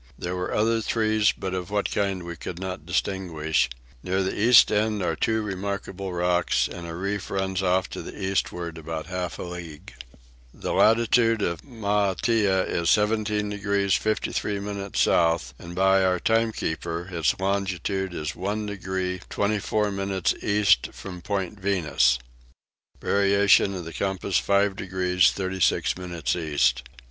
There were other trees but of what kind we could not distinguish: near the east end are two remarkable rocks, and a reef runs off to the eastward about half a league. The latitude of Maitea is 17 degrees 53 minutes south; and by our timekeeper its longitude is 1 degree 24 minutes east from Point Venus. Variation of the compass 5 degrees 36 minutes east.